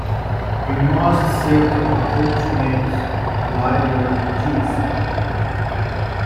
We must save the unfortunate blighter, Jeeves.